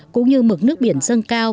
cũng như mực nước biển dâng cao